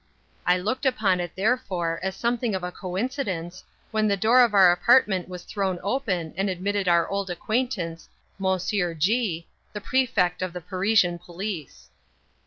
I looked upon it, therefore, as something of a coincidence, when the door of our apartment was thrown open and admitted our old acquaintance, Monsieur G——, the Prefect of the Parisian police.